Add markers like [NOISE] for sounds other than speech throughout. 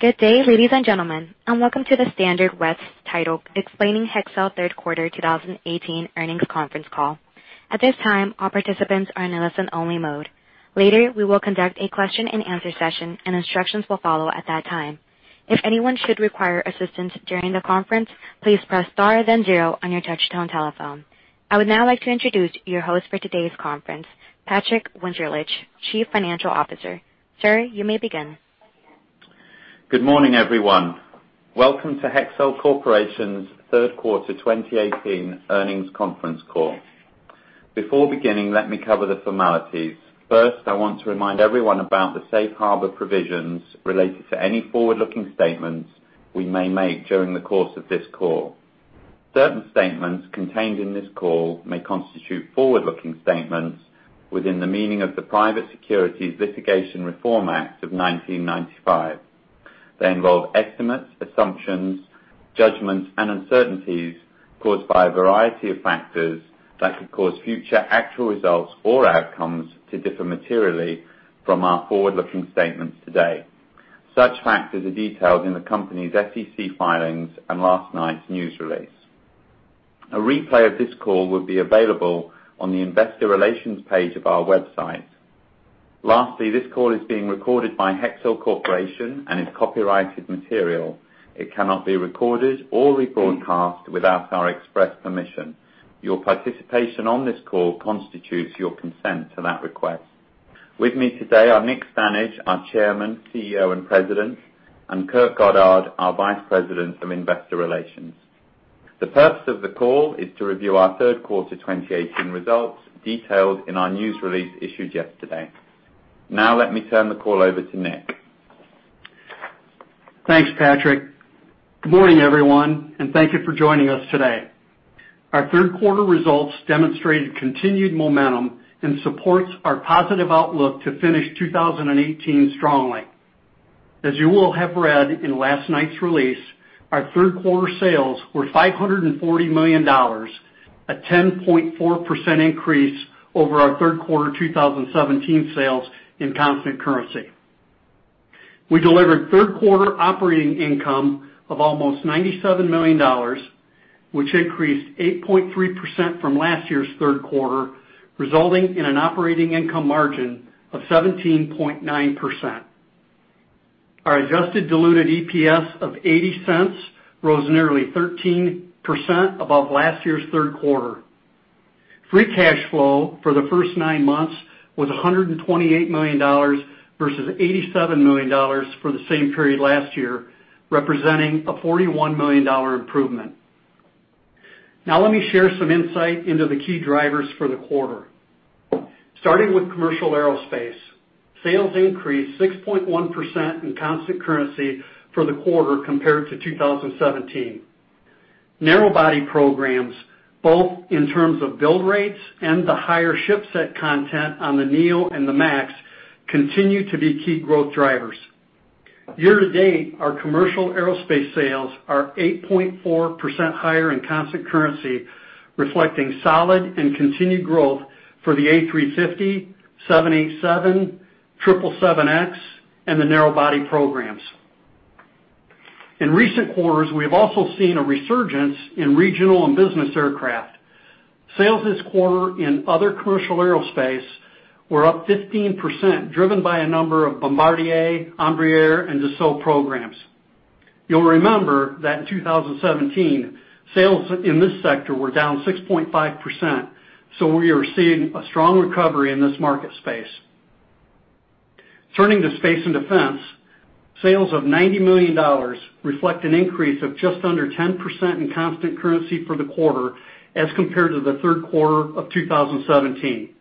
Good day, ladies and gentlemen, welcome to the [INAUDIBLE] Hexcel Third Quarter 2018 Earnings Conference Call. At this time, all participants are in a listen-only mode. Later, we will conduct a question and answer session and instructions will follow at that time. If anyone should require assistance during the conference, please press star then zero on your touchtone telephone. I would now like to introduce your host for today's conference, Patrick Winterlich, Chief Financial Officer. Sir, you may begin. Good morning, everyone. Welcome to Hexcel Corporation's Third Quarter 2018 Earnings Conference Call. Before beginning, let me cover the formalities. First, I want to remind everyone about the safe harbor provisions related to any forward-looking statements we may make during the course of this call. Certain statements contained in this call may constitute forward-looking statements within the meaning of the Private Securities Litigation Reform Act of 1995. They involve estimates, assumptions, judgments, and uncertainties caused by a variety of factors that could cause future actual results or outcomes to differ materially from our forward-looking statements today. Such factors are detailed in the company's SEC filings and last night's news release. A replay of this call will be available on the investor relations page of our website. This call is being recorded by Hexcel Corporation and is copyrighted material. It cannot be recorded or rebroadcast without our express permission. Your participation on this call constitutes your consent to that request. With me today are Nick Stanage, our Chairman, CEO, and President, and Kurt Goddard, our Vice President of Investor Relations. The purpose of the call is to review our third quarter 2018 results detailed in our news release issued yesterday. Let me turn the call over to Nick. Thanks, Patrick. Good morning, everyone. Thank you for joining us today. Our third quarter results demonstrated continued momentum and supports our positive outlook to finish 2018 strongly. As you will have read in last night's release, our third quarter sales were $540 million, a 10.4% increase over our third quarter 2017 sales in constant currency. We delivered third quarter operating income of almost $97 million, which increased 8.3% from last year's third quarter, resulting in an operating income margin of 17.9%. Our adjusted diluted EPS of $0.80 rose nearly 13% above last year's third quarter. Free cash flow for the first nine months was $128 million versus $87 million for the same period last year, representing a $41 million improvement. Let me share some insight into the key drivers for the quarter. Starting with commercial aerospace. Sales increased 6.1% in constant currency for the quarter compared to 2017. Narrow-body programs, both in terms of build rates and the higher ship set content on the A320neo and the MAX, continue to be key growth drivers. Year-to-date, our commercial aerospace sales are 8.4% higher in constant currency, reflecting solid and continued growth for the A350, 787, 777X, and the narrow-body programs. In recent quarters, we have also seen a resurgence in regional and business aircraft. Sales this quarter in other commercial aerospace were up 15%, driven by a number of Bombardier, Embraer, and Dassault programs. You'll remember that in 2017, sales in this sector were down 6.5%, so we are seeing a strong recovery in this market space. Turning to space and defense, sales of $90 million reflect an increase of just under 10% in constant currency for the quarter as compared to the third quarter of 2017.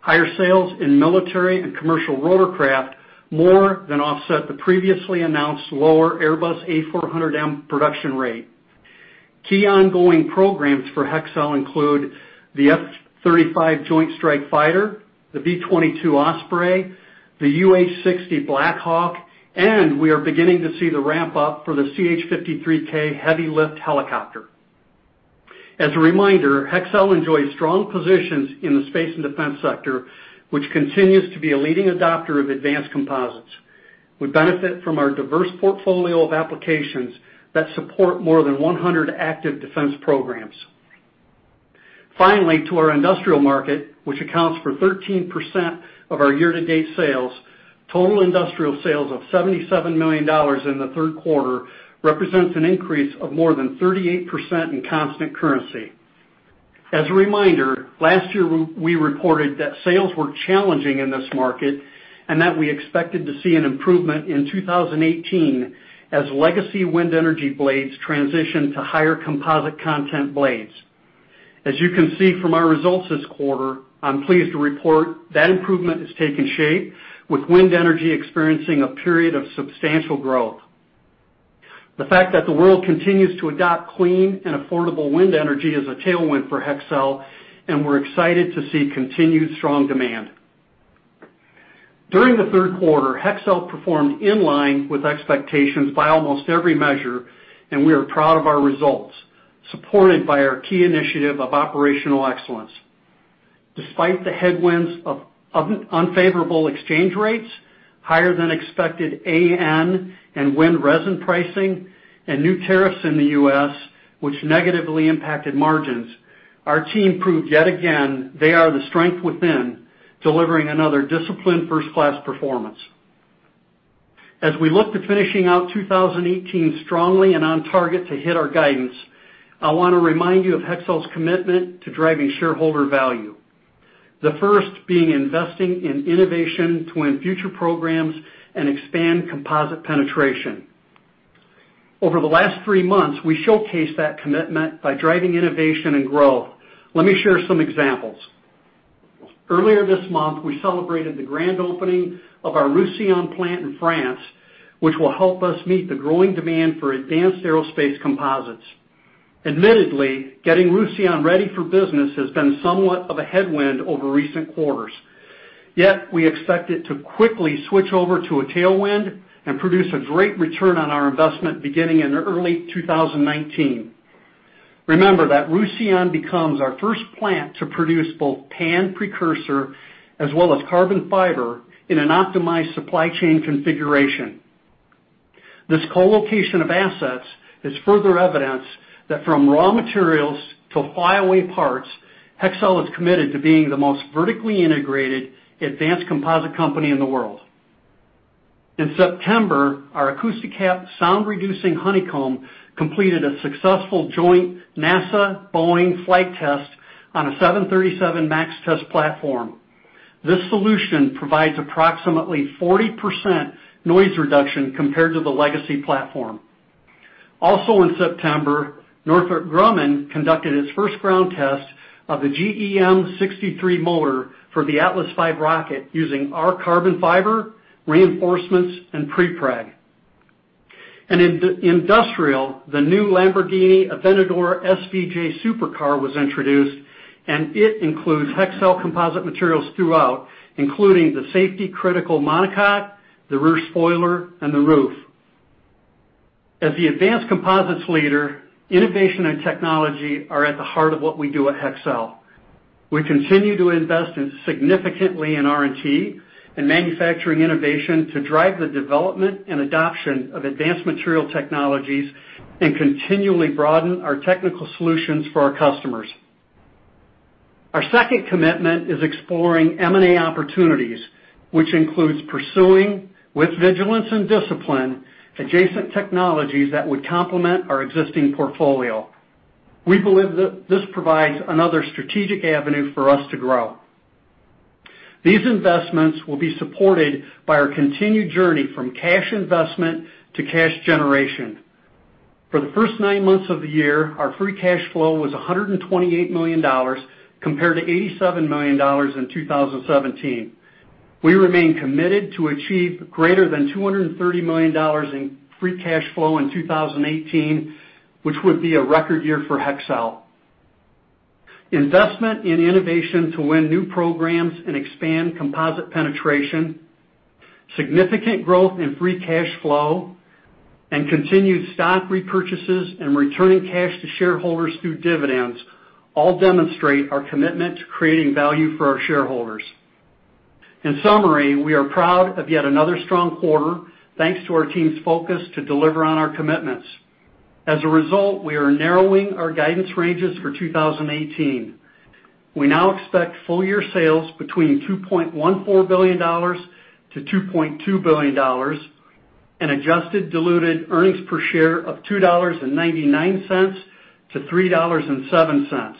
Higher sales in military and commercial rotorcraft more than offset the previously announced lower Airbus A400M production rate. Key ongoing programs for Hexcel include the F-35 Joint Strike Fighter, the V-22 Osprey, the UH-60 Black Hawk, and we are beginning to see the ramp up for the CH-53K heavy lift helicopter. As a reminder, Hexcel enjoys strong positions in the space and defense sector, which continues to be a leading adopter of advanced composites. We benefit from our diverse portfolio of applications that support more than 100 active defense programs. Finally, to our industrial market, which accounts for 13% of our year-to-date sales, total industrial sales of $77 million in the third quarter represents an increase of more than 38% in constant currency. As a reminder, last year, we reported that sales were challenging in this market and that we expected to see an improvement in 2018 as legacy wind energy blades transition to higher composite content blades. As you can see from our results this quarter, I'm pleased to report that improvement is taking shape, with wind energy experiencing a period of substantial growth. The fact that the world continues to adopt clean and affordable wind energy is a tailwind for Hexcel, and we're excited to see continued strong demand. During the third quarter, Hexcel performed in line with expectations by almost every measure, and we are proud of our results, supported by our key initiative of operational excellence. Despite the headwinds of unfavorable exchange rates, higher than expected AN and wind resin pricing, and new tariffs in the U.S., which negatively impacted margins, our team proved yet again they are the strength within, delivering another disciplined first-class performance. As we look to finishing out 2018 strongly and on target to hit our guidance, I want to remind you of Hexcel's commitment to driving shareholder value. The first being investing in innovation to win future programs and expand composite penetration. Over the last three months, we showcased that commitment by driving innovation and growth. Let me share some examples. Earlier this month, we celebrated the grand opening of our Roussillon plant in France, which will help us meet the growing demand for advanced aerospace composites. Admittedly, getting Roussillon ready for business has been somewhat of a headwind over recent quarters. We expect it to quickly switch over to a tailwind and produce a great return on our investment beginning in early 2019. Remember that Roussillon becomes our first plant to produce both PAN precursor as well as carbon fiber in an optimized supply chain configuration. This co-location of assets is further evidence that from raw materials to fly away parts, Hexcel is committed to being the most vertically integrated, advanced composite company in the world. In September, our Acousti-Cap sound-reducing honeycomb completed a successful joint NASA-Boeing flight test on a 737 MAX test platform. This solution provides approximately 40% noise reduction compared to the legacy platform. Also, in September, Northrop Grumman conducted its first ground test of the GEM 63 motor for the Atlas V rocket using our carbon fiber reinforcements and prepreg. In industrial, the new Lamborghini Aventador SVJ supercar was introduced, and it includes Hexcel composite materials throughout, including the safety critical monocoque, the rear spoiler, and the roof. As the advanced composites leader, innovation and technology are at the heart of what we do at Hexcel. We continue to invest significantly in R&T and manufacturing innovation to drive the development and adoption of advanced material technologies, and continually broaden our technical solutions for our customers. Our second commitment is exploring M&A opportunities, which includes pursuing, with vigilance and discipline, adjacent technologies that would complement our existing portfolio. We believe this provides another strategic avenue for us to grow. These investments will be supported by our continued journey from cash investment to cash generation. For the first nine months of the year, our free cash flow was $128 million compared to $87 million in 2017. We remain committed to achieve greater than $230 million in free cash flow in 2018, which would be a record year for Hexcel. Investment in innovation to win new programs and expand composite penetration, significant growth in free cash flow, and continued stock repurchases and returning cash to shareholders through dividends all demonstrate our commitment to creating value for our shareholders. In summary, we are proud of yet another strong quarter, thanks to our team's focus to deliver on our commitments. As a result, we are narrowing our guidance ranges for 2018. We now expect full-year sales between $2.14 billion to $2.2 billion, and adjusted diluted earnings per share of $2.99 to $3.07.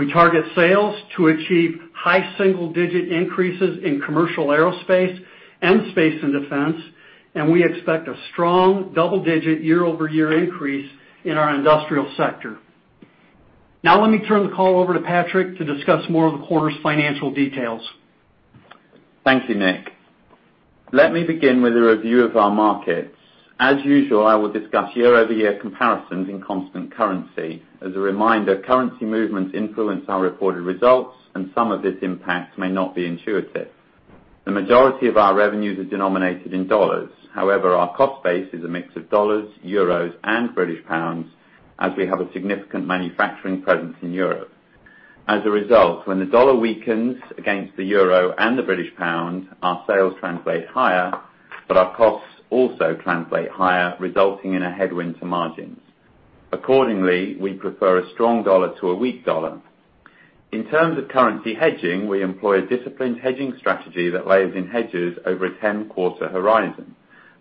We target sales to achieve high single-digit increases in commercial aerospace and space and defense, and we expect a strong double-digit year-over-year increase in our industrial sector. Now let me turn the call over to Patrick to discuss more of the quarter's financial details. Thank you, Nick. Let me begin with a review of our markets. As usual, I will discuss year-over-year comparisons in constant currency. As a reminder, currency movements influence our reported results, and some of this impact may not be intuitive. The majority of our revenues are denominated in dollars. However, our cost base is a mix of dollars, euros, and British pounds, as we have a significant manufacturing presence in Europe. As a result, when the dollar weakens against the euro and the British pound, our sales translate higher, but our costs also translate higher, resulting in a headwind to margins. Accordingly, we prefer a strong dollar to a weak dollar. In terms of currency hedging, we employ a disciplined hedging strategy that layers in hedges over a 10-quarter horizon.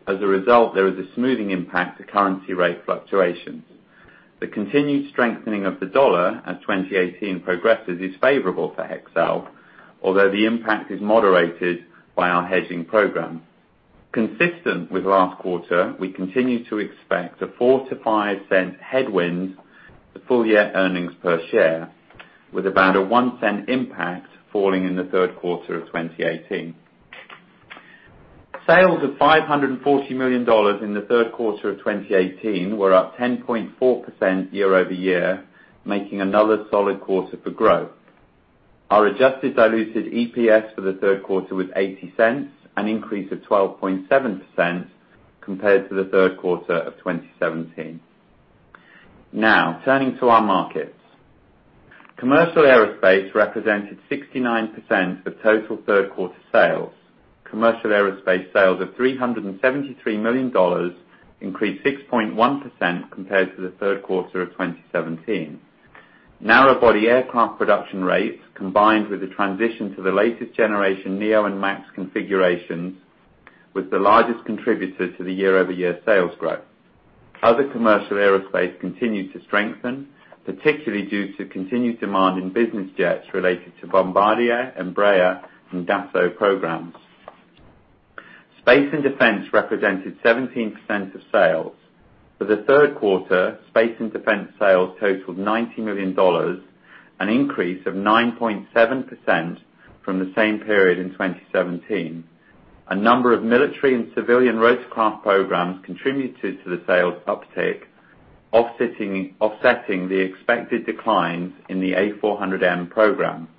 As a result, there is a smoothing impact to currency rate fluctuations. The continued strengthening of the dollar as 2018 progresses is favorable for Hexcel, although the impact is moderated by our hedging program. Consistent with last quarter, we continue to expect a $0.04 to $0.05 headwind to full year EPS, with about a $0.01 impact falling in the third quarter of 2018. Sales of $540 million in the third quarter of 2018 were up 10.4% year-over-year, making another solid quarter for growth. Our adjusted diluted EPS for the third quarter was $0.80, an increase of 12.7% compared to the third quarter of 2017. Turning to our markets. Commercial aerospace represented 69% of total third quarter sales. Commercial aerospace sales of $373 million, increased 6.1% compared to the third quarter of 2017. Narrow body aircraft production rates, combined with the transition to the latest generation Neo and MAX configurations, was the largest contributor to the year-over-year sales growth. Other commercial aerospace continued to strengthen, particularly due to continued demand in business jets related to Bombardier, Embraer, and Dassault programs. Space and Defense represented 17% of sales. For the third quarter, Space and Defense sales totaled $90 million, an increase of 9.7% from the same period in 2017. A number of military and civilian rotorcraft programs contributed to the sales uptick, offsetting the expected declines in the A400M program.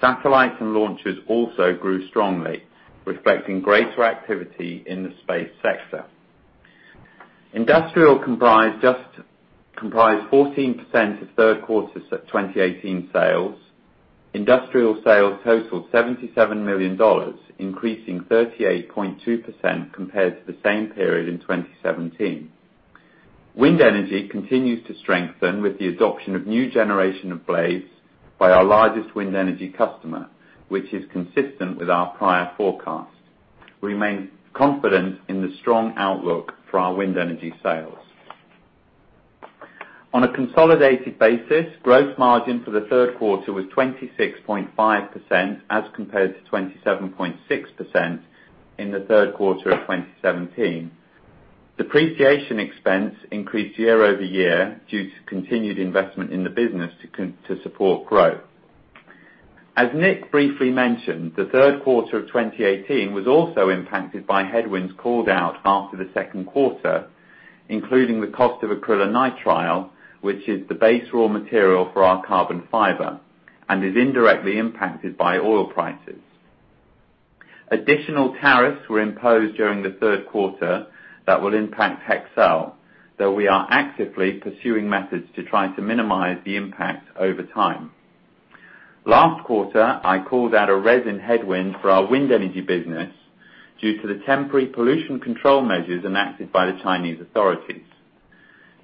Satellites and launches also grew strongly, reflecting greater activity in the space sector. Industrial comprised 14% of third quarter 2018 sales. Industrial sales totaled $77 million, increasing 38.2% compared to the same period in 2017. Wind energy continues to strengthen with the adoption of new generation of blades by our largest wind energy customer, which is consistent with our prior forecast. We remain confident in the strong outlook for our wind energy sales. On a consolidated basis, gross margin for the third quarter was 26.5%, as compared to 27.6% in the third quarter of 2017. Depreciation expense increased year-over-year due to continued investment in the business to support growth. As Nick briefly mentioned, the third quarter of 2018 was also impacted by headwinds called out after the second quarter, including the cost of acrylonitrile, which is the base raw material for our carbon fiber and is indirectly impacted by oil prices. Additional tariffs were imposed during the third quarter that will impact Hexcel, though we are actively pursuing methods to try to minimize the impact over time. Last quarter, I called out a resin headwind for our wind energy business due to the temporary pollution control measures enacted by the Chinese authorities.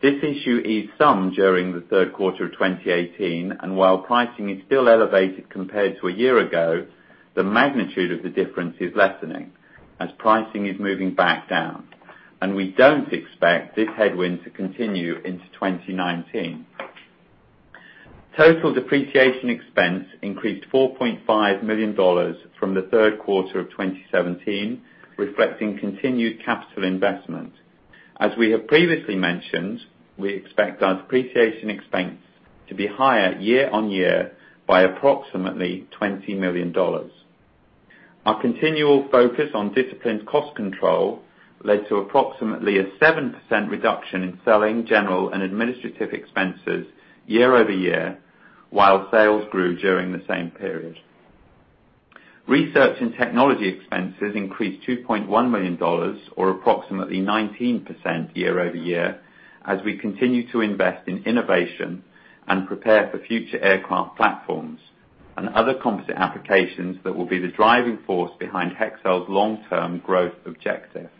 This issue eased some during the third quarter of 2018. While pricing is still elevated compared to a year ago, the magnitude of the difference is lessening as pricing is moving back down. We don't expect this headwind to continue into 2019. Total depreciation expense increased $4.5 million from the third quarter of 2017, reflecting continued capital investment. As we have previously mentioned, we expect our depreciation expense to be higher year-over-year by approximately $20 million. Our continual focus on disciplined cost control led to approximately a 7% reduction in selling, general, and administrative expenses year-over-year, while sales grew during the same period. Research and technology expenses increased $2.1 million or approximately 19% year-over-year. We continue to invest in innovation and prepare for future aircraft platforms and other composite applications that will be the driving force behind Hexcel's long-term growth objective.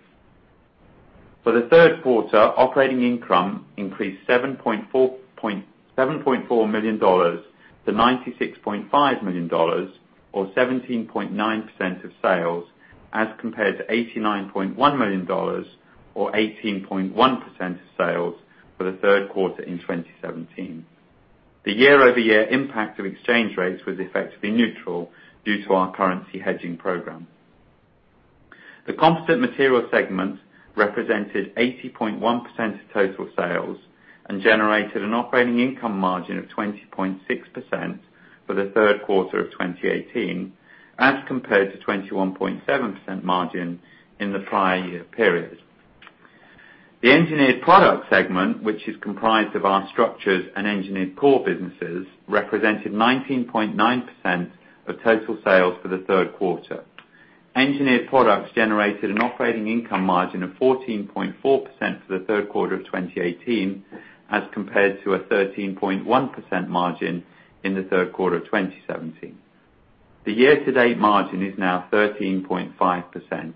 For the third quarter, operating income increased $7.4 million to $96.5 million or 17.9% of sales, compared to $89.1 million or 18.1% of sales for the third quarter in 2017. The year-over-year impact of exchange rates was effectively neutral due to our currency hedging program. The composite material segment represented 80.1% of total sales, generated an operating income margin of 20.6% for the third quarter of 2018 compared to 21.7% margin in the prior year period. The engineered product segment, which is comprised of our structures and engineered core businesses, represented 19.9% of total sales for the third quarter. Engineered products generated an operating income margin of 14.4% for the third quarter of 2018 compared to a 13.1% margin in the third quarter of 2017. The year-to-date margin is now 13.5%.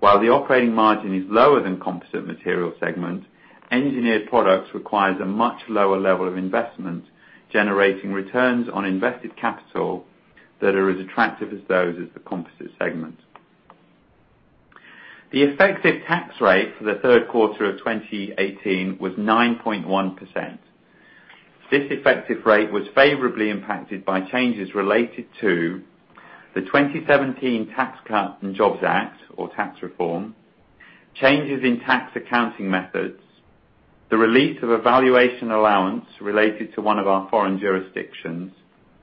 The operating margin is lower than composite material segment, engineered products requires a much lower level of investment, generating returns on invested capital that are as attractive as those of the composite segment. The effective tax rate for the third quarter of 2018 was 9.1%. This effective rate was favorably impacted by changes related to the 2017 Tax Cuts and Jobs Act, or tax reform, changes in tax accounting methods, the release of a valuation allowance related to one of our foreign jurisdictions,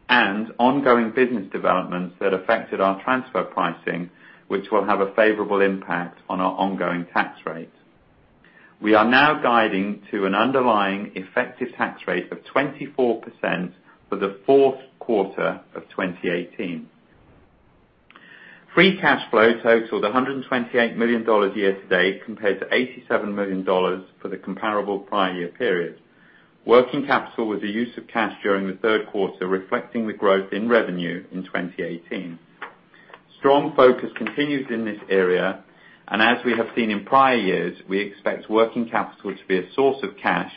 and ongoing business developments that affected our transfer pricing, which will have a favorable impact on our ongoing tax rates. We are now guiding to an underlying effective tax rate of 24% for the fourth quarter of 2018. Free cash flow totaled $128 million year-to-date, compared to $87 million for the comparable prior year period. Working capital was a use of cash during the third quarter, reflecting the growth in revenue in 2018. Strong focus continues in this area. We have seen in prior years, we expect working capital to be a source of cash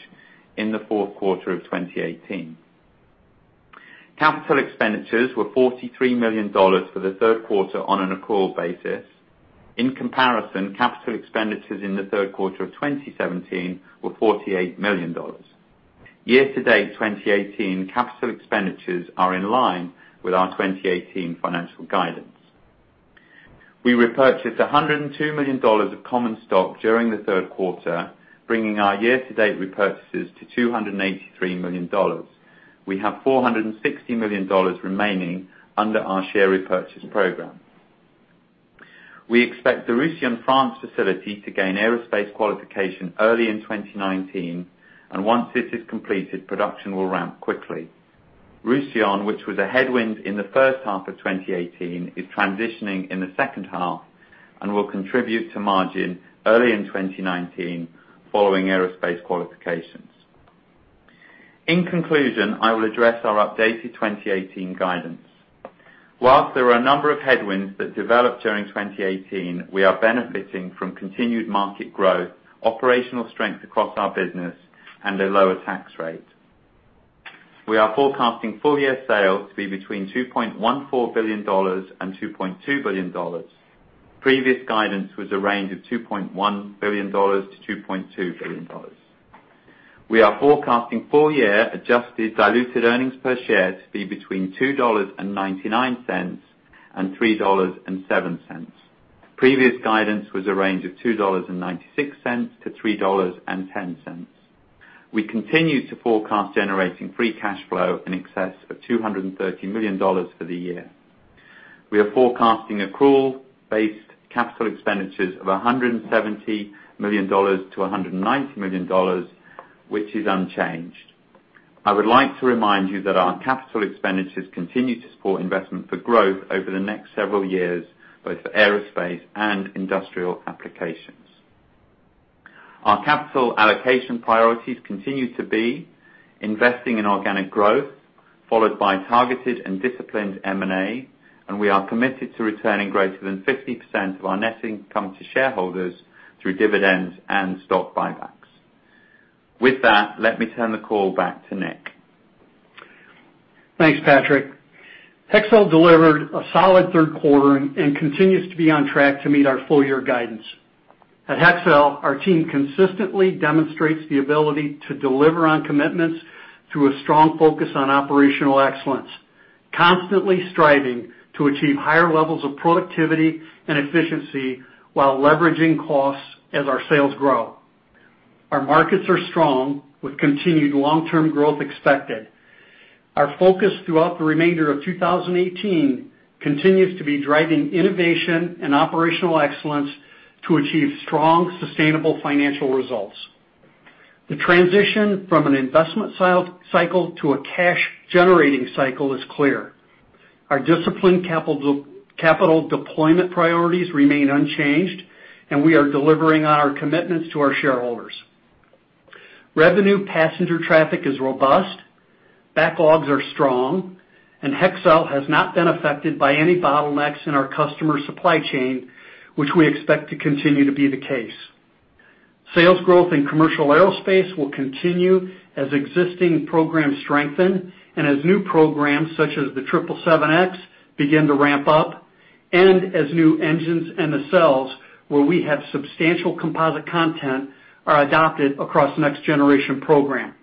in the fourth quarter of 2018. Capital expenditures were $43 million for the third quarter on an accrual basis. In comparison, capital expenditures in the third quarter of 2017 were $48 million. Year-to-date 2018 capital expenditures are in line with our 2018 financial guidance. We repurchased $102 million of common stock during the third quarter, bringing our year-to-date repurchases to $283 million. We have $460 million remaining under our share repurchase program. We expect the Roussillon, France facility to gain aerospace qualification early in 2019, and once this is completed, production will ramp quickly. Roussillon, which was a headwind in the first half of 2018, is transitioning in the second half and will contribute to margin early in 2019 following aerospace qualifications. In conclusion, I will address our updated 2018 guidance. Whilst there are a number of headwinds that developed during 2018, we are benefiting from continued market growth, operational strength across our business, and a lower tax rate. We are forecasting full year sales to be between $2.14 billion and $2.2 billion. Previous guidance was a range of $2.1 billion to $2.2 billion. We are forecasting full year adjusted diluted earnings per share to be between $2.99 and $3.07. Previous guidance was a range of $2.96 to $3.10. We continue to forecast generating free cash flow in excess of $230 million for the year. We are forecasting accrual based capital expenditures of $170 million to $190 million, which is unchanged. I would like to remind you that our capital expenditures continue to support investment for growth over the next several years, both for aerospace and industrial applications. Our capital allocation priorities continue to be investing in organic growth, followed by targeted and disciplined M&A, and we are committed to returning greater than 50% of our net income to shareholders through dividends and stock buybacks. With that, let me turn the call back to Nick. Thanks, Patrick. Hexcel delivered a solid third quarter and continues to be on track to meet our full year guidance. At Hexcel, our team consistently demonstrates the ability to deliver on commitments through a strong focus on operational excellence, constantly striving to achieve higher levels of productivity and efficiency while leveraging costs as our sales grow. Our markets are strong, with continued long-term growth expected. Our focus throughout the remainder of 2018 continues to be driving innovation and operational excellence to achieve strong, sustainable financial results. The transition from an investment cycle to a cash generating cycle is clear. Our disciplined capital deployment priorities remain unchanged, and we are delivering on our commitments to our shareholders. Revenue passenger traffic is robust, backlogs are strong, and Hexcel has not been affected by any bottlenecks in our customer supply chain, which we expect to continue to be the case. Sales growth in commercial aerospace will continue as existing programs strengthen and as new programs, such as the 777X, begin to ramp up, and as new engines and nacelles, where we have substantial composite content, are adopted across the next generation program.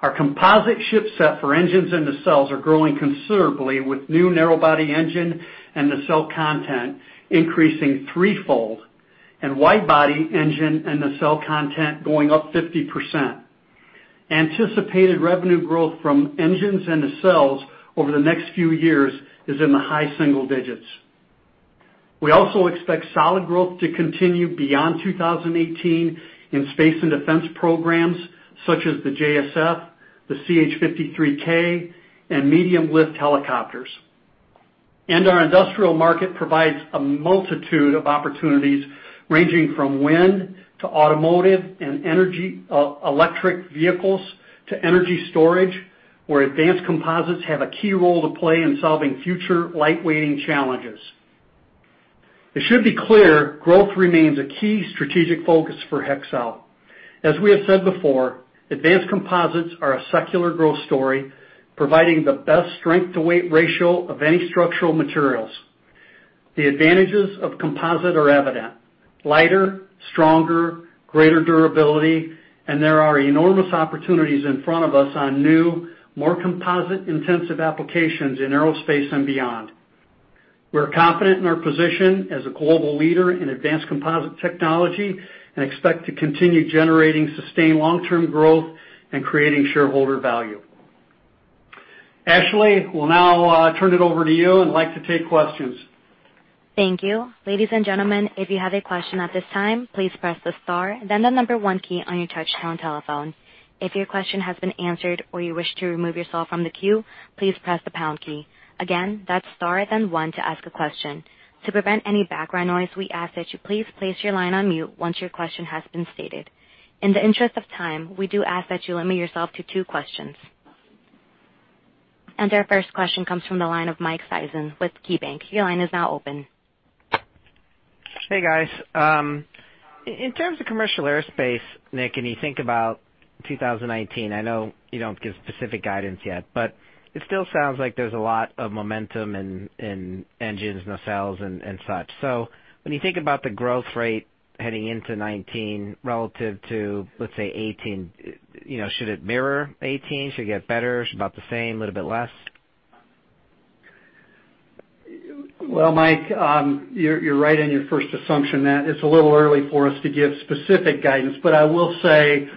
Our composite ship set for engines and nacelles are growing considerably with new narrow body engine and nacelle content increasing threefold and wide body engine and nacelle content going up 50%. Anticipated revenue growth from engines and nacelles over the next few years is in the high single digits. We also expect solid growth to continue beyond 2018 in space and defense programs such as the JSF, the CH-53K, and medium lift helicopters. Our industrial market provides a multitude of opportunities, ranging from wind to automotive and electric vehicles to energy storage, where advanced composites have a key role to play in solving future lightweighting challenges. It should be clear, growth remains a key strategic focus for Hexcel. As we have said before, advanced composites are a secular growth story, providing the best strength to weight ratio of any structural materials. The advantages of composite are evident. Lighter, stronger, greater durability, and there are enormous opportunities in front of us on new, more composite intensive applications in aerospace and beyond. We're confident in our position as a global leader in advanced composite technology and expect to continue generating sustained long-term growth and creating shareholder value. Ashley, we'll now turn it over to you and like to take questions. Thank you. Ladies and gentlemen, if you have a question at this time, please press the star and then the 1 key on your touch-tone telephone. If your question has been answered or you wish to remove yourself from the queue, please press the pound key. Again, that's star then 1 to ask a question. To prevent any background noise, we ask that you please place your line on mute once your question has been stated. In the interest of time, we do ask that you limit yourself to 2 questions. Our first question comes from the line of Michael Sison with KeyBank. Your line is now open. Hey, guys. In terms of commercial aerospace, Nick, when you think about 2019, I know you don't give specific guidance yet, but it still sounds like there's a lot of momentum in engines, nacelles, and such. When you think about the growth rate heading into 2019 relative to, let's say, 2018, should it mirror 2018? Should it get better? About the same? Little bit less? Mike, you're right in your first assumption that it's a little early for us to give specific guidance. I will say,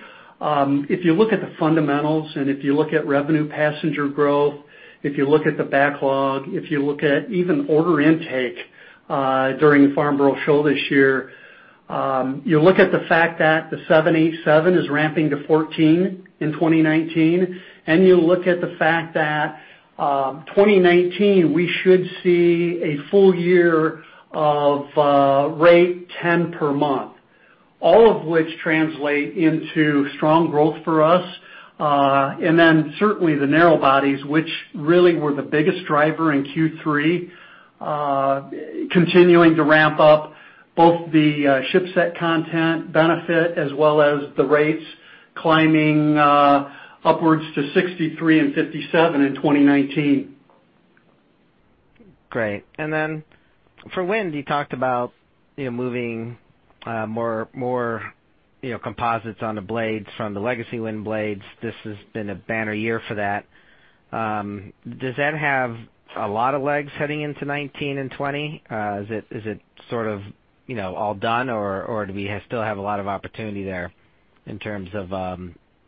if you look at the fundamentals and if you look at revenue passenger growth, if you look at the backlog, if you look at even order intake during the Farnborough Airshow this year, you look at the fact that the 787 is ramping to 14 in 2019, and you look at the fact that 2019, we should see a full year of rate 10 per month. All of which translate into strong growth for us. Then certainly the narrow bodies, which really were the biggest driver in Q3, continuing to ramp up both the ship set content benefit as well as the rates climbing upwards to 63 and 57 in 2019. Then for wind, you talked about moving more composites on the blades from the legacy wind blades. This has been a banner year for that. Does that have a lot of legs heading into 2019 and 2020? Is it all done, or do we still have a lot of opportunity there in terms of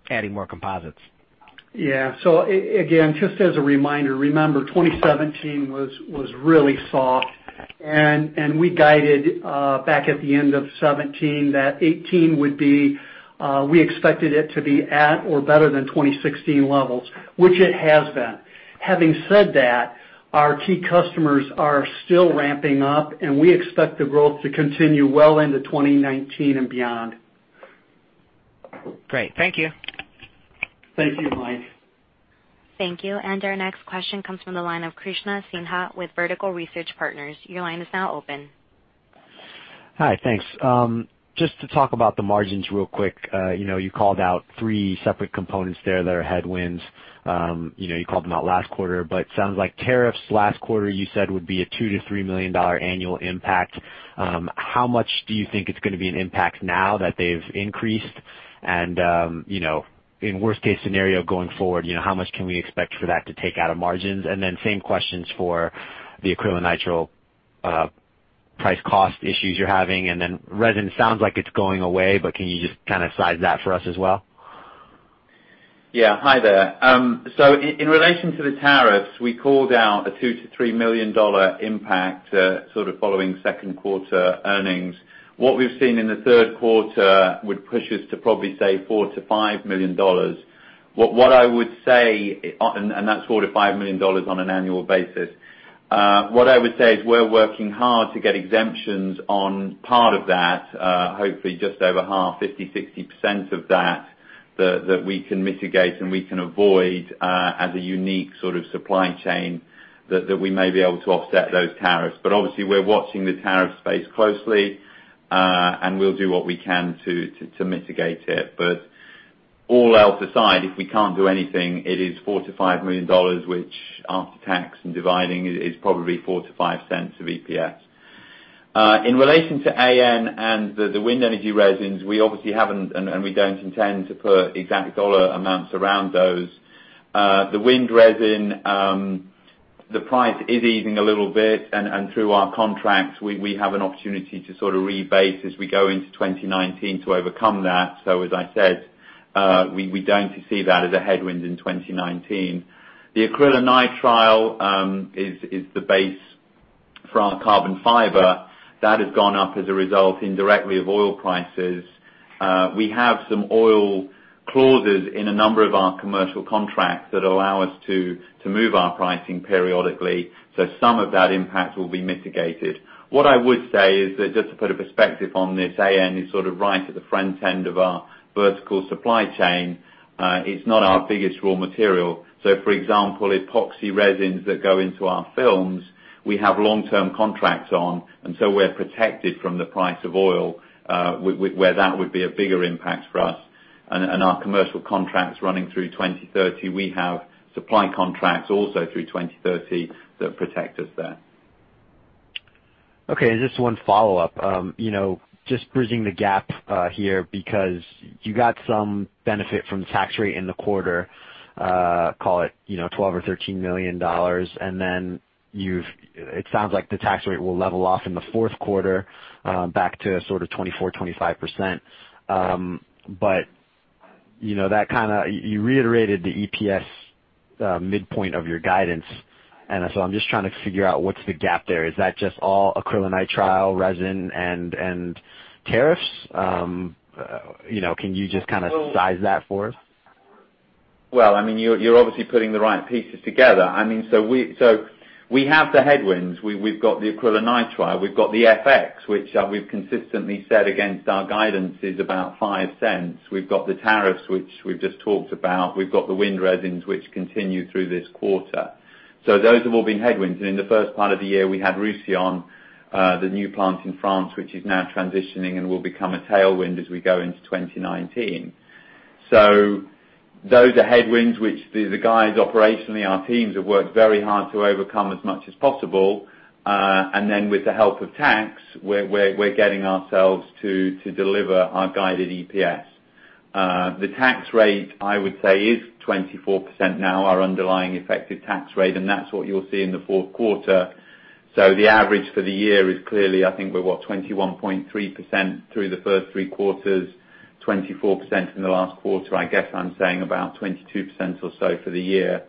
adding more composites? Yeah. Again, just as a reminder, remember 2017 was really soft, and we guided back at the end of 2017. That 2018, we expected it to be at or better than 2016 levels, which it has been. Having said that, our key customers are still ramping up, and we expect the growth to continue well into 2019 and beyond. Great. Thank you. Thank you, Mike. Thank you. Our next question comes from the line of Krishna Sinha with Vertical Research Partners. Your line is now open. Hi, thanks. Just to talk about the margins real quick. You called out three separate components there that are headwinds. You called them out last quarter. Sounds like tariffs last quarter, you said would be a $2 million-$3 million annual impact. How much do you think it's going to be an impact now that they've increased and, in worst case scenario going forward, how much can we expect for that to take out of margins? Then same questions for the acrylonitrile price cost issues you're having, then resin sounds like it's going away, can you just kind of size that for us as well? Yeah. Hi there. In relation to the tariffs, we called out a $2 million-$3 million impact following second quarter earnings. What we've seen in the third quarter would push us to probably say $4 million-$5 million. That's $4 million-$5 million on an annual basis. What I would say is we're working hard to get exemptions on part of that, hopefully just over half, 50%, 60% of that we can mitigate and we can avoid, as a unique sort of supply chain, that we may be able to offset those tariffs. Obviously, we're watching the tariff space closely, and we'll do what we can to mitigate it. All else aside, if we can't do anything, it is $4 million-$5 million, which after tax and dividing is probably $0.04-$0.05 of EPS. In relation to AN and the wind energy resins, we obviously haven't, and we don't intend to put exact dollar amounts around those. The wind resin, the price is easing a little bit, and through our contracts, we have an opportunity to sort of rebase as we go into 2019 to overcome that. As I said, we don't foresee that as a headwind in 2019. The acrylonitrile is the base for our carbon fiber. That has gone up as a result indirectly of oil prices. We have some oil clauses in a number of our commercial contracts that allow us to move our pricing periodically. Some of that impact will be mitigated. What I would say is that just to put a perspective on this, AN is sort of right at the front end of our vertical supply chain. It's not our biggest raw material. For example, epoxy resins that go into our films, we have long-term contracts on, we're protected from the price of oil, where that would be a bigger impact for us. Our commercial contracts running through 2030, we have supply contracts also through 2030 that protect us there. Okay, just one follow-up. Just bridging the gap here, because you got some benefit from the tax rate in the quarter, call it $12 or $13 million, it sounds like the tax rate will level off in the fourth quarter back to sort of 24%-25%. You reiterated the EPS midpoint of your guidance, I'm just trying to figure out what's the gap there. Is that just all acrylonitrile resin and tariffs? Can you just kind of size that for us? Well, you're obviously putting the right pieces together. We have the headwinds. We've got the acrylonitrile. We've got the FX, which we've consistently said against our guidance is about $0.05. We've got the tariffs, which we've just talked about. We've got the wind resins, which continue through this quarter. Those have all been headwinds. In the first part of the year, we had Roussillon, the new plant in France, which is now transitioning and will become a tailwind as we go into 2019. Those are headwinds which the guys operationally, our teams have worked very hard to overcome as much as possible. With the help of tax, we're getting ourselves to deliver our guided EPS. The tax rate, I would say, is 24% now, our underlying effective tax rate, and that's what you'll see in the fourth quarter. The average for the year is clearly, I think we're what? 21.3% through the first three quarters, 24% in the last quarter. I guess I'm saying about 22% or so for the year.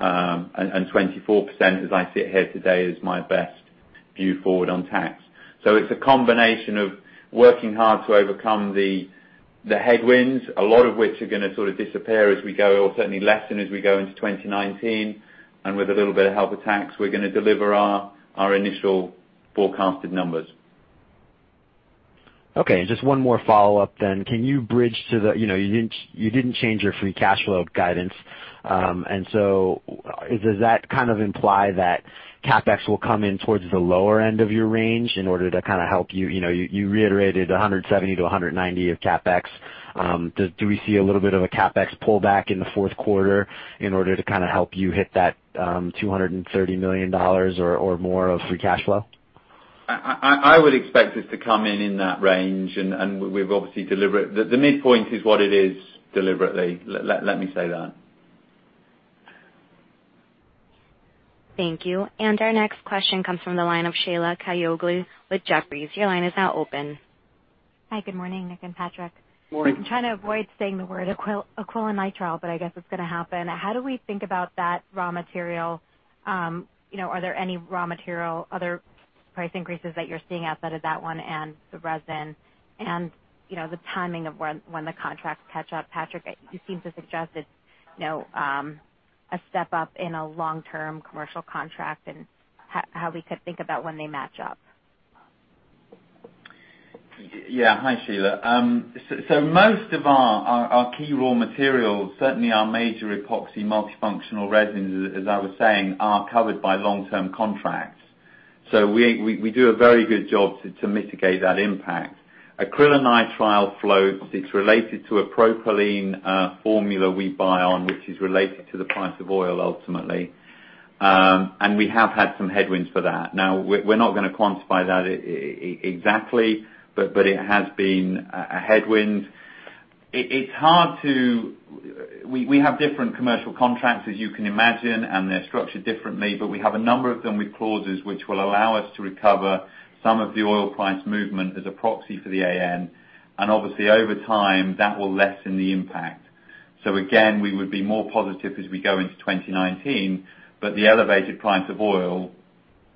24%, as I sit here today, is my best view forward on tax. It's a combination of working hard to overcome the headwinds, a lot of which are going to sort of disappear as we go, or certainly lessen as we go into 2019. With a little bit of help with tax, we're going to deliver our initial forecasted numbers. Okay, just one more follow-up then. You didn't change your free cash flow guidance. Does that kind of imply that CapEx will come in towards the lower end of your range in order to kind of help you? You reiterated 170-190 of CapEx. Do we see a little bit of a CapEx pullback in the fourth quarter in order to kind of help you hit that $230 million or more of free cash flow? I would expect it to come in in that range, and we've obviously delivered. The midpoint is what it is deliberately. Let me say that. Thank you. Our next question comes from the line of Sheila Kahyaoglu with Jefferies. Your line is now open. Hi, good morning, Nick and Patrick. Morning. I'm trying to avoid saying the word acrylonitrile, but I guess it's going to happen. How do we think about that raw material? Are there any raw material, other price increases that you're seeing outside of that one and the resin and the timing of when the contracts catch up? Patrick, you seem to suggest it's a step up in a long-term commercial contract and how we could think about when they match up. Hi, Sheila. Most of our key raw materials, certainly our major epoxy multifunctional resins, as I was saying, are covered by long-term contracts. We do a very good job to mitigate that impact. Acrylonitrile floats. It's related to a propylene formula we buy on, which is related to the price of oil ultimately. We have had some headwinds for that. We're not going to quantify that exactly, but it has been a headwind. We have different commercial contracts, as you can imagine, and they're structured differently, but we have a number of them with clauses which will allow us to recover some of the oil price movement as a proxy for the AN, and obviously over time, that will lessen the impact. Again, we would be more positive as we go into 2019, but the elevated price of oil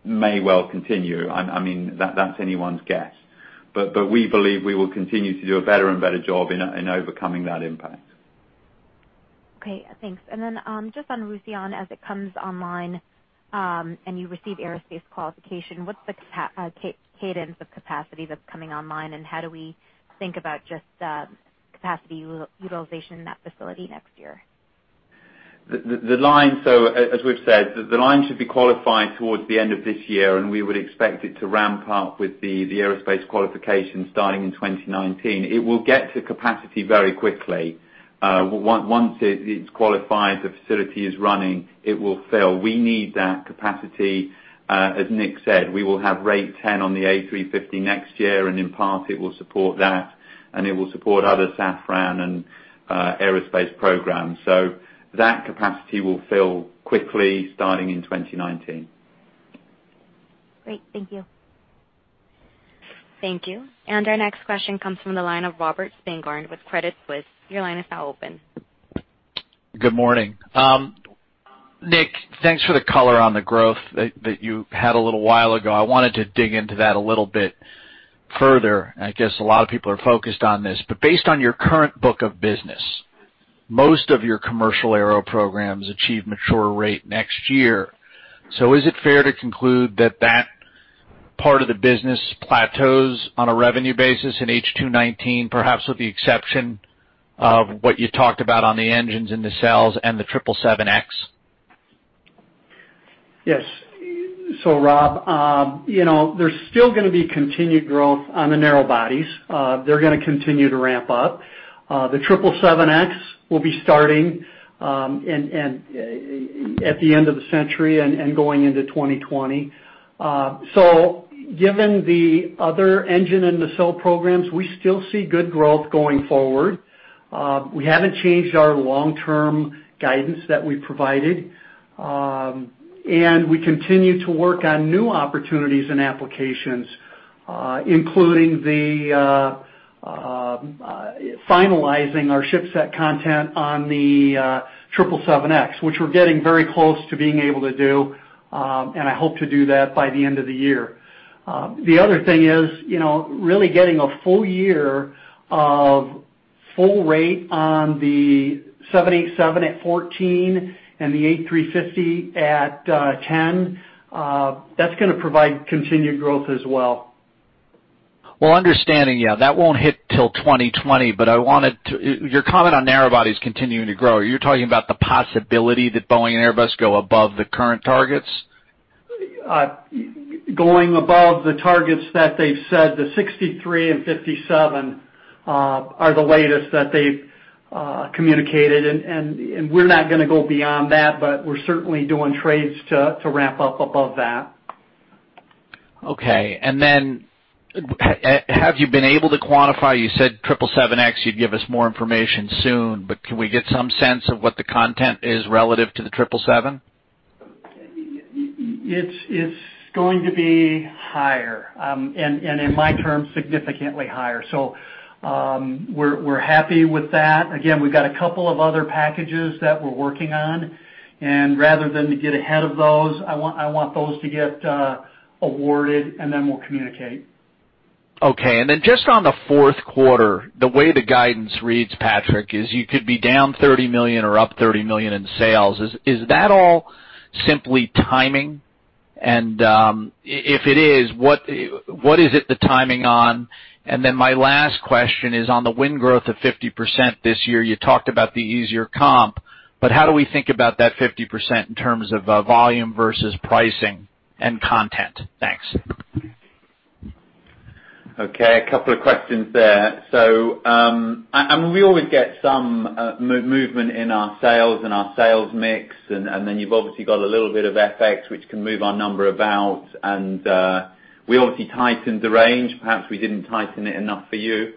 may well continue. That's anyone's guess. We believe we will continue to do a better and better job in overcoming that impact. Okay, thanks. Just on Roussillon as it comes online, and you receive aerospace qualification, what's the cadence of capacity that's coming online, and how do we think about just capacity utilization in that facility next year? As we've said, the line should be qualifying towards the end of this year, and we would expect it to ramp up with the aerospace qualification starting in 2019. It will get to capacity very quickly. Once it is qualified, the facility is running, it will fill. We need that capacity. As Nick said, we will have rate 10 on the A350 next year, and in part, it will support that, and it will support other Safran and aerospace programs. That capacity will fill quickly starting in 2019. Great. Thank you. Thank you. Our next question comes from the line of Robert Spingarn with Credit Suisse. Your line is now open. Good morning. Nick, thanks for the color on the growth that you had a little while ago. I wanted to dig into that a little bit further. I guess a lot of people are focused on this. Based on your current book of business, most of your commercial aero programs achieve mature rate next year. Is it fair to conclude that that part of the business plateaus on a revenue basis in H2-19, perhaps with the exception of what you talked about on the engines and nacelles and the 777X? Yes. Rob, there's still going to be continued growth on the narrow bodies. They're going to continue to ramp up. The 777X will be starting at the end of the century and going into 2020. Given the other engine and nacelle programs, we still see good growth going forward. We haven't changed our long-term guidance that we provided. We continue to work on new opportunities and applications, including finalizing our ship set content on the 777X, which we're getting very close to being able to do, and I hope to do that by the end of the year. The other thing is, really getting a full year of full rate on the 787 at 14 and the A350 at 10. That's going to provide continued growth as well. Well, understanding, yeah, that won't hit till 2020, your comment on narrow bodies continuing to grow, you're talking about the possibility that Boeing and Airbus go above the current targets? Going above the targets that they've said, the 63 and 57 are the latest that they've communicated, we're not going to go beyond that, we're certainly doing trades to ramp up above that. Okay. Have you been able to quantify, you said 777X, you'd give us more information soon, can we get some sense of what the content is relative to the 777? It's going to be higher, in my terms, significantly higher. We're happy with that. Again, we've got a couple of other packages that we're working on, rather than to get ahead of those, I want those to get awarded, then we'll communicate. Okay, just on the fourth quarter, the way the guidance reads, Patrick, is you could be down $30 million or up $30 million in sales. Is that all simply timing? If it is, what is it the timing on? My last question is on the wind growth of 50% this year. You talked about the easier comp, how do we think about that 50% in terms of volume versus pricing and content? Thanks. Okay, a couple of questions there. We always get some movement in our sales and our sales mix, then you've obviously got a little bit of FX, which can move our number about, we obviously tightened the range. Perhaps we didn't tighten it enough for you.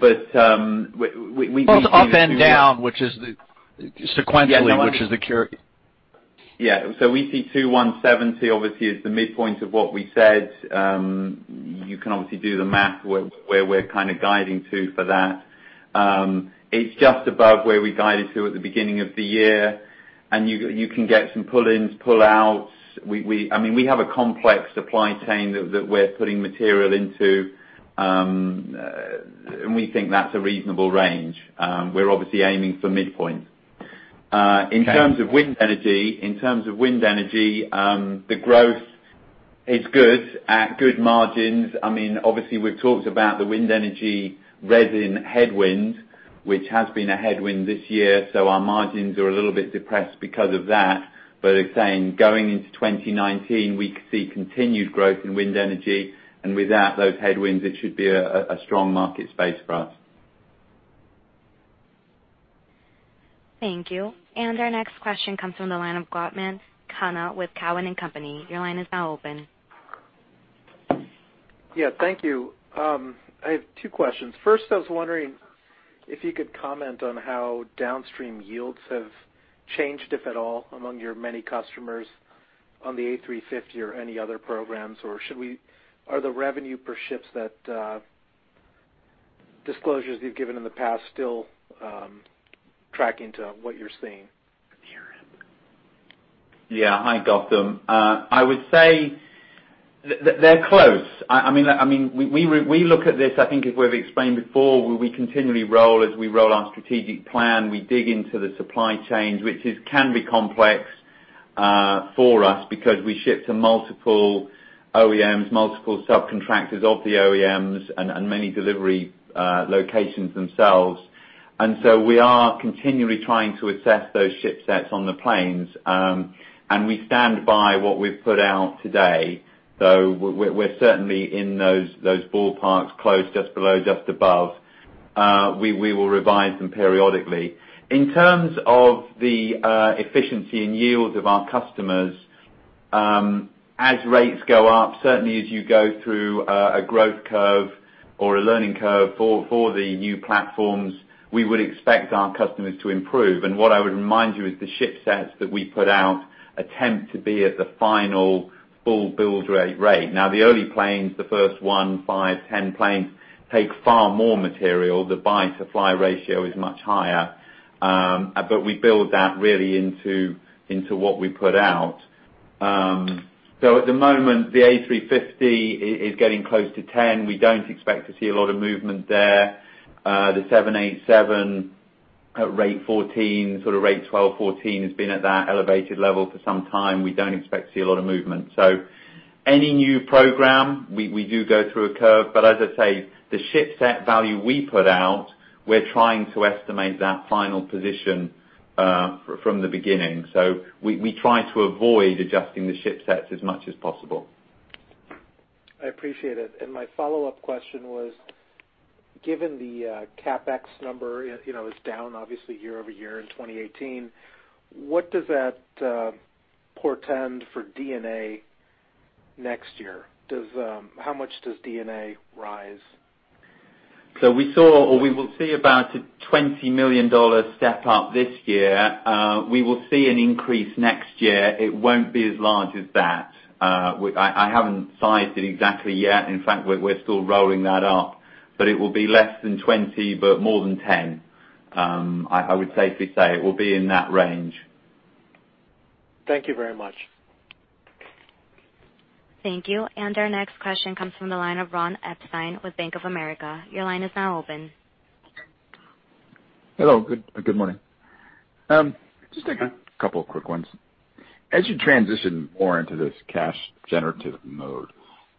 We- Well, it's up and down, sequentially, which is the cur- Yeah. We see 2,170 obviously as the midpoint of what we said. You can obviously do the math where we're kind of guiding to for that. It's just above where we guided to at the beginning of the year, you can get some pull-ins, pull-outs. We have a complex supply chain that we're putting material into. We think that's a reasonable range. We're obviously aiming for midpoint. Okay. In terms of wind energy, the growth is good, at good margins. Obviously, we've talked about the wind energy resin headwind, which has been a headwind this year, our margins are a little bit depressed because of that. As I am saying, going into 2019, we see continued growth in wind energy, without those headwinds, it should be a strong market space for us. Thank you. Our next question comes from the line of Gautam Khanna with Cowen and Company. Your line is now open. Yeah, thank you. I have two questions. First, I was wondering if you could comment on how downstream yields have changed, if at all, among your many customers on the A350 or any other programs, are the revenue per shipsets disclosures you've given in the past still tracking to what you're seeing? Yeah. Hi, Gautam. I would say they're close. We look at this, I think as we've explained before, where we continually roll as we roll our strategic plan. We dig into the supply chains, which can be complex for us because we ship to multiple OEMs, multiple subcontractors of the OEMs, and many delivery locations themselves. We are continually trying to assess those ship sets on the planes, and we stand by what we've put out today, though we're certainly in those ballparks close, just below, just above. We will revise them periodically. In terms of the efficiency and yield of our customers, as rates go up, certainly as you go through a growth curve or a learning curve for the new platforms, we would expect our customers to improve. What I would remind you is the ship sets that we put out attempt to be at the final full build rate. Now, the early planes, the first one, five, 10 planes, take far more material. The buy-to-fly ratio is much higher. We build that really into what we put out. At the moment, the A350 is getting close to 10. We don't expect to see a lot of movement there. The 787 at rate 14, sort of rate 12, 14, has been at that elevated level for some time. We don't expect to see a lot of movement. Any new program, we do go through a curve, but as I say, the ship set value we put out, we're trying to estimate that final position from the beginning. We try to avoid adjusting the ship sets as much as possible. I appreciate it. My follow-up question was, given the CapEx number, it's down obviously year-over-year in 2018. What does that portend for D&A next year? How much does D&A rise? We saw, or we will see about a $20 million step up this year. We will see an increase next year. It won't be as large as that. I haven't sized it exactly yet. In fact, we're still rolling that up, but it will be less than 20, but more than 10. I would safely say it will be in that range. Thank you very much. Thank you. Our next question comes from the line of Ronald Epstein with Bank of America. Your line is now open. Hello, good morning. Just a couple of quick ones. As you transition more into this cash generative mode,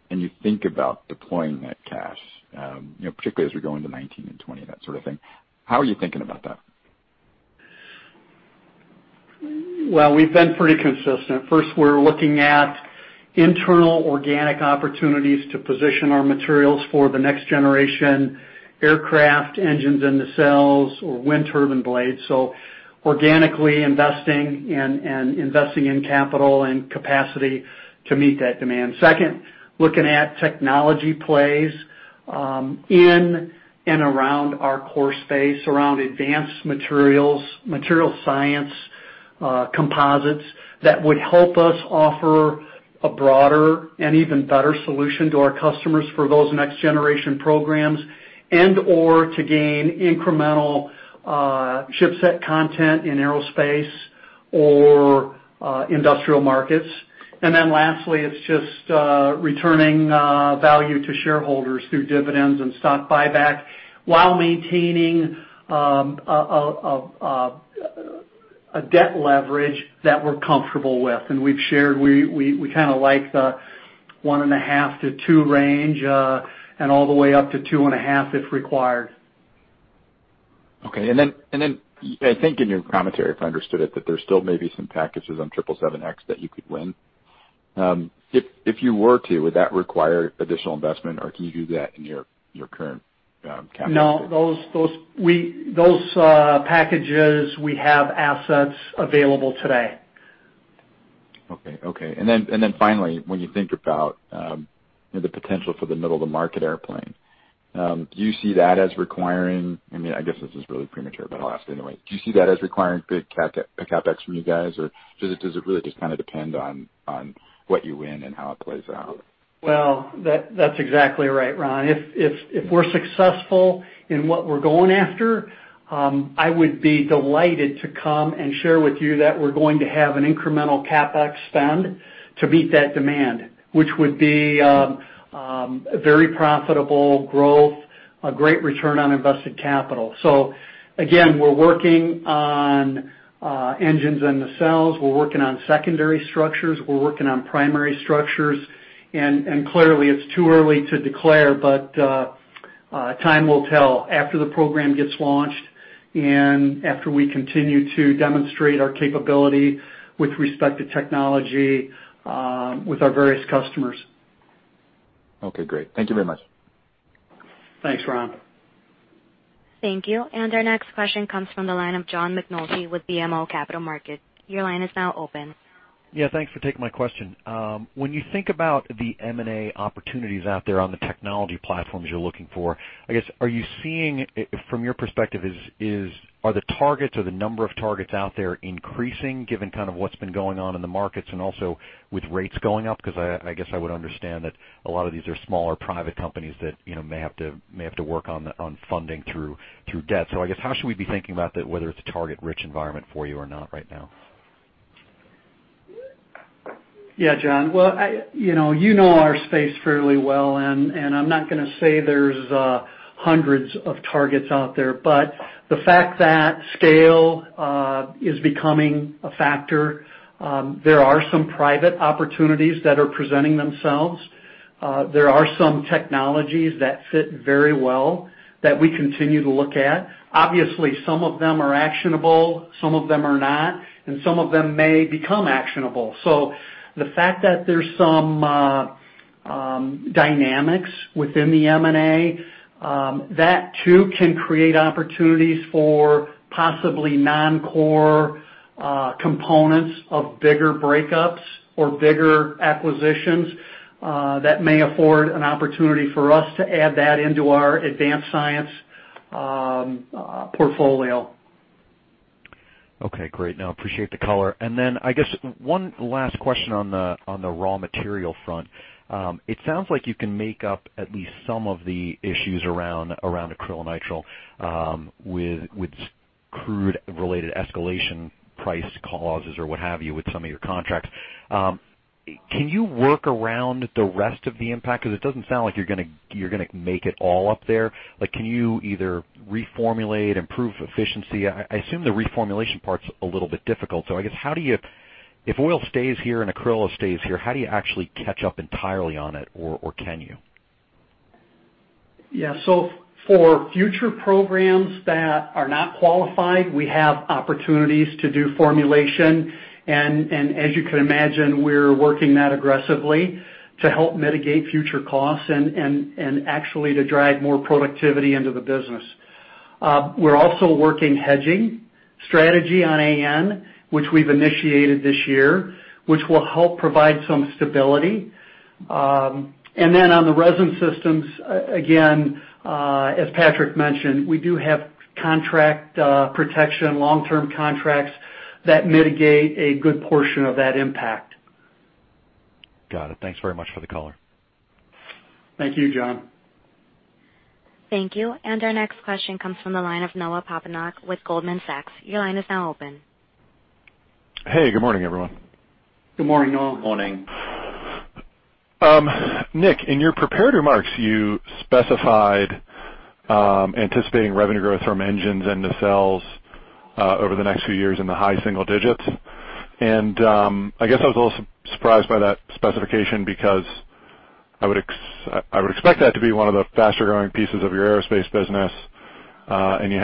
you think about deploying that cash, particularly as we go into 2019 and 2020, that sort of thing, how are you thinking about that? Well, we've been pretty consistent. First, we're looking at internal organic opportunities to position our materials for the next generation aircraft engines and nacelles or wind turbine blades. Organically investing and investing in capital and capacity to meet that demand. Second, looking at technology plays in and around our core space, around advanced materials, material science composites that would help us offer a broader and even better solution to our customers for those next generation programs, or to gain incremental ship set content in aerospace or industrial markets. Then lastly, it's just returning value to shareholders through dividends and stock buyback while maintaining a debt leverage that we're comfortable with. We've shared, we kind of like the 1.5 to 2 range, and all the way up to 2.5 if required. Okay. Then, I think in your commentary, if I understood it, that there still may be some packages on 777X that you could win. If you were to, would that require additional investment or can you do that in your current capacity? No, those packages, we have assets available today. Okay. Then finally, when you think about the potential for the middle of the market airplane, do you see that as requiring, I guess this is really premature, but I'll ask anyway. Do you see that as requiring big CapEx from you guys or does it really just kind of depend on what you win and how it plays out? Well, that's exactly right, Ron. If we're successful in what we're going after, I would be delighted to come and share with you that we're going to have an incremental CapEx spend to meet that demand, which would be a very profitable growth, a great return on invested capital. Again, we're working on engines and nacelles. We're working on secondary structures. We're working on primary structures. Clearly, it's too early to declare, but time will tell after the program gets launched and after we continue to demonstrate our capability with respect to technology with our various customers. Okay, great. Thank you very much. Thanks, Ron. Thank you. Our next question comes from the line of John McNulty with BMO Capital Markets. Your line is now open. Yeah, thanks for taking my question. When you think about the M&A opportunities out there on the technology platforms you're looking for, I guess, are you seeing from your perspective, are the targets or the number of targets out there increasing given what's been going on in the markets and also with rates going up? I guess I would understand that a lot of these are smaller private companies that may have to work on funding through debt. I guess, how should we be thinking about that, whether it's a target rich environment for you or not right now? Yeah, John. Well, you know our space fairly well. I'm not going to say there's hundreds of targets out there, but the fact that scale is becoming a factor, there are some private opportunities that are presenting themselves. There are some technologies that fit very well that we continue to look at. Obviously, some of them are actionable, some of them are not, and some of them may become actionable. The fact that there's some dynamics within the M&A, that too can create opportunities for possibly non-core components of bigger breakups or bigger acquisitions that may afford an opportunity for us to add that into our advanced science portfolio. Okay, great. No, appreciate the color. I guess one last question on the raw material front. It sounds like you can make up at least some of the issues around acrylonitrile with crude related escalation price clauses or what have you with some of your contracts. Can you work around the rest of the impact? It doesn't sound like you're going to make it all up there. Can you either reformulate, improve efficiency? I assume the reformulation part's a little bit difficult. I guess if oil stays here and acrylo stays here, how do you actually catch up entirely on it? Can you? Yeah. For future programs that are not qualified, we have opportunities to do formulation. As you can imagine, we're working that aggressively to help mitigate future costs and actually to drive more productivity into the business. We're also working hedging strategy on AN, which we've initiated this year, which will help provide some stability. On the resin systems, again, as Patrick mentioned, we do have contract protection, long-term contracts that mitigate a good portion of that impact. Got it. Thanks very much for the color. Thank you, John. Thank you. Our next question comes from the line of Noah Poponak with Goldman Sachs. Your line is now open. Hey, good morning, everyone. Good morning, Noah. Morning. Nick, in your prepared remarks, you specified anticipating revenue growth from engines and nacelles over the next few years in the high single digits. I guess I was a little surprised by that specification because I would expect that to be one of the faster-growing pieces of your aerospace business.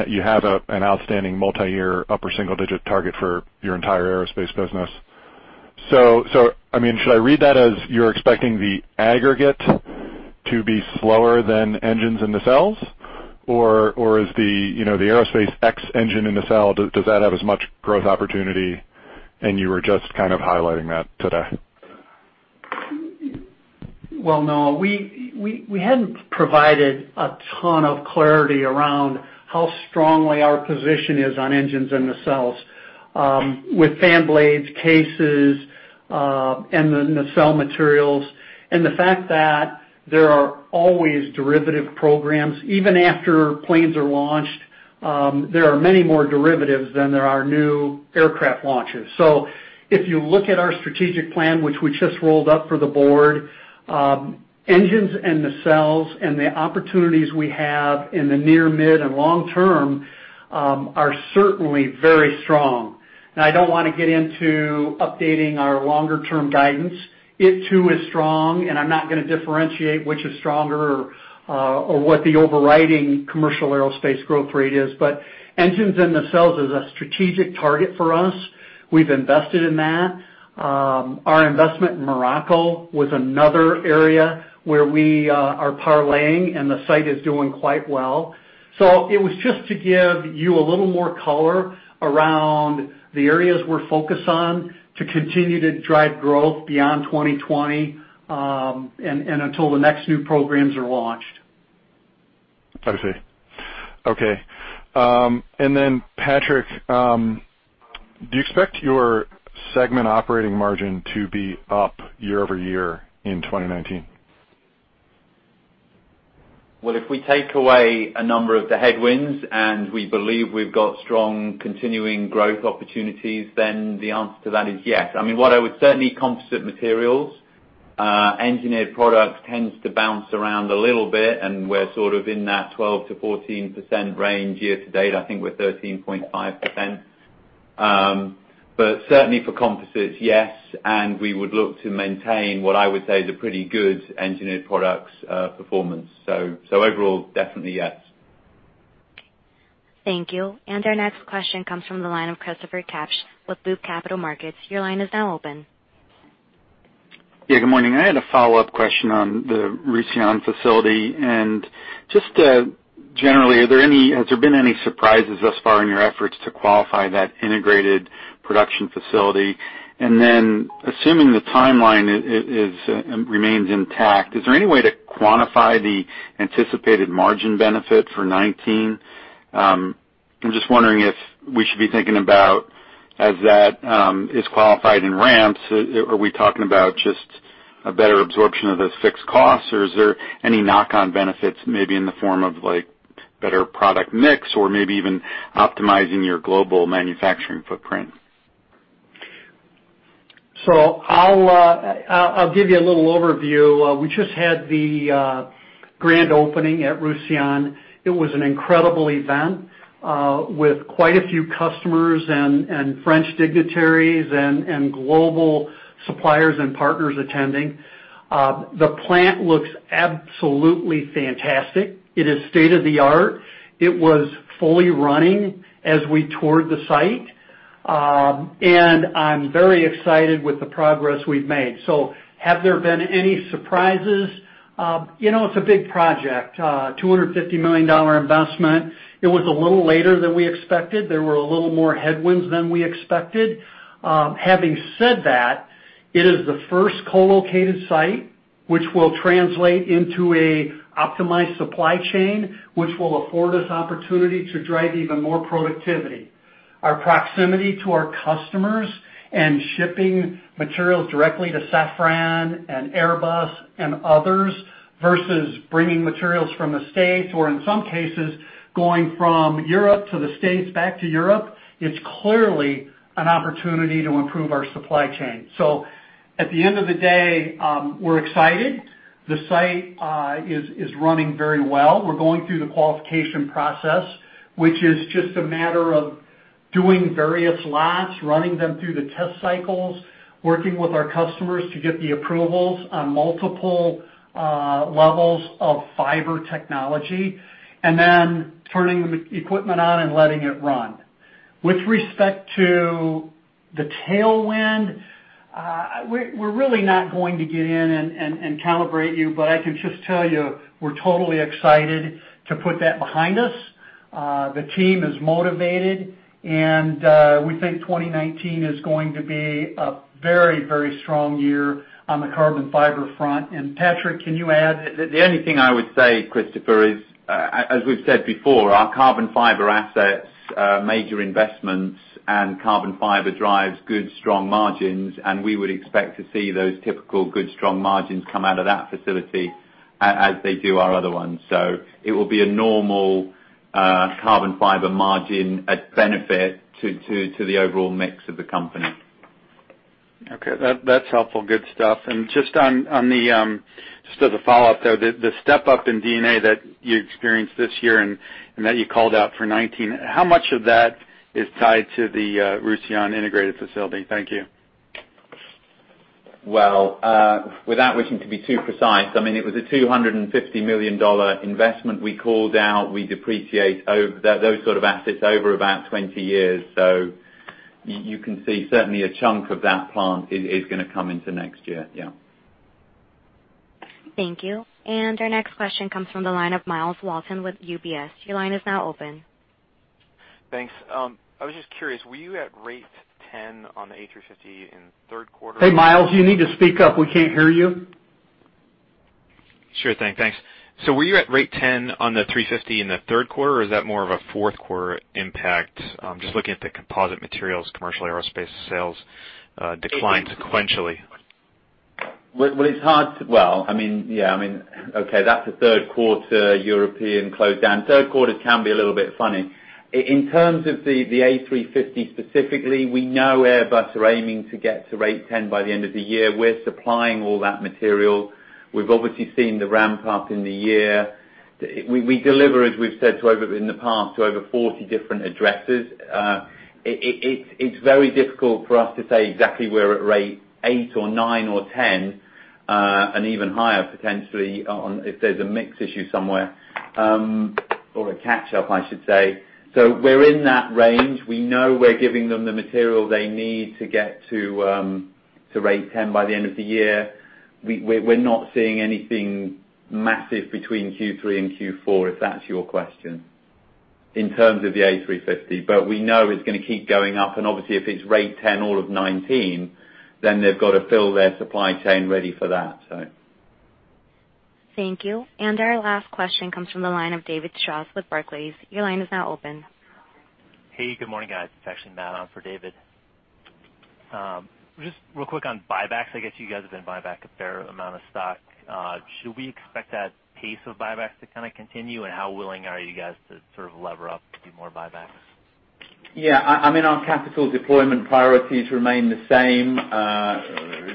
You have an outstanding multi-year upper single digit target for your entire aerospace business. Should I read that as you're expecting the aggregate to be slower than engines and nacelles? Or is the aerospace X engine and nacelle, does that have as much growth opportunity and you were just kind of highlighting that today? Well, Noah, we hadn't provided a ton of clarity around how strongly our position is on engines and nacelles. With fan blades, cases, and the nacelle materials, and the fact that there are always derivative programs. Even after planes are launched, there are many more derivatives than there are new aircraft launches. If you look at our strategic plan, which we just rolled up for the board, engines and nacelles and the opportunities we have in the near, mid, and long term are certainly very strong. I don't want to get into updating our longer term guidance. It too is strong, and I'm not going to differentiate which is stronger or what the overriding commercial aerospace growth rate is. Engines and nacelles is a strategic target for us. We've invested in that. Our investment in Morocco was another area where we are parlaying, and the site is doing quite well. It was just to give you a little more color around the areas we're focused on to continue to drive growth beyond 2020, and until the next new programs are launched. I see. Okay. Patrick, do you expect your segment operating margin to be up year-over-year in 2019? If we take away a number of the headwinds, and we believe we've got strong continuing growth opportunities, then the answer to that is yes. I mean, what I would certainly composite materials, engineered products tends to bounce around a little bit, and we're sort of in that 12%-14% range year to date. I think we're 13.5%. Certainly for composites, yes. We would look to maintain what I would say is a pretty good engineered products performance. Overall, definitely yes. Thank you. Our next question comes from the line of Christopher Kapsch with Loop Capital Markets. Your line is now open. Good morning. I had a follow-up question on the Roussillon facility, and just generally, has there been any surprises thus far in your efforts to qualify that integrated production facility? Then assuming the timeline remains intact, is there any way to quantify the anticipated margin benefit for 2019? I'm just wondering if we should be thinking about as that is qualified in ramps, are we talking about just a better absorption of those fixed costs or is there any knock-on benefits maybe in the form of better product mix or maybe even optimizing your global manufacturing footprint? I'll give you a little overview. We just had the grand opening at Roussillon. It was an incredible event, with quite a few customers and French dignitaries and global suppliers and partners attending. The plant looks absolutely fantastic. It is state-of-the-art. It was fully running as we toured the site. I'm very excited with the progress we've made. Have there been any surprises? It's a big project, a $250 million investment. It was a little later than we expected. There were a little more headwinds than we expected. Having said that, it is the first co-located site, which will translate into an optimized supply chain, which will afford us opportunity to drive even more productivity. Our proximity to our customers and shipping materials directly to Safran and Airbus and others, versus bringing materials from the U.S., or in some cases, going from Europe to the U.S. back to Europe, it's clearly an opportunity to improve our supply chain. At the end of the day, we're excited. The site is running very well. We're going through the qualification process, which is just a matter of doing various lots, running them through the test cycles, working with our customers to get the approvals on multiple levels of fiber technology, and then turning the equipment on and letting it run. With respect to the tailwind. We're really not going to get in and calibrate you, but I can just tell you we're totally excited to put that behind us. The team is motivated, and we think 2019 is going to be a very strong year on the carbon fiber front. Patrick, can you add? The only thing I would say, Christopher, is, as we've said before, our carbon fiber assets are major investments, and carbon fiber drives good, strong margins, and we would expect to see those typical good strong margins come out of that facility as they do our other ones. It will be a normal carbon fiber margin, a benefit to the overall mix of the company. Okay. That's helpful. Good stuff. Just as a follow-up, though, the step-up in D&A that you experienced this year and that you called out for 2019, how much of that is tied to the Roussillon integrated facility? Thank you. Without wishing to be too precise, it was a $250 million investment we called out. We depreciate those sort of assets over about 20 years. You can see certainly a chunk of that plant is going to come into next year. Thank you. Our next question comes from the line of Myles Walton with UBS. Your line is now open. Thanks. I was just curious, were you at rate 10 on the A350 in the third quarter? Hey, Myles, you need to speak up. We can't hear you. Sure thing. Thanks. Were you at rate 10 on the A350 in the third quarter, or is that more of a fourth quarter impact? I'm just looking at the composite materials, commercial aerospace sales declined sequentially. Well, it's hard. Well, yeah. Okay, that's the third quarter European closed down. Third quarter can be a little bit funny. In terms of the A350 specifically, we know Airbus are aiming to get to rate 10 by the end of the year. We're supplying all that material. We've obviously seen the ramp-up in the year. We deliver, as we've said in the past, to over 40 different addresses. It's very difficult for us to say exactly we're at rate 8 or 9 or 10, and even higher potentially if there's a mix issue somewhere, or a catch-up, I should say. We're in that range. We know we're giving them the material they need to get to rate 10 by the end of the year. We're not seeing anything massive between Q3 and Q4, if that's your question, in terms of the A350. We know it's going to keep going up, and obviously, if it's rate 10 all of 2019, then they've got to fill their supply chain ready for that. Thank you. Our last question comes from the line of David Strauss with Barclays. Your line is now open. Hey, good morning, guys. It's actually Matt on for David. Real quick on buybacks. I guess you guys have been buying back a fair amount of stock. Should we expect that pace of buybacks to kind of continue? How willing are you guys to sort of lever up to do more buybacks? Yeah. Our capital deployment priorities remain the same.